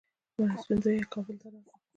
مرستندویان کابل ته راغلل.